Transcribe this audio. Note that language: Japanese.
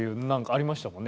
ありましたよね。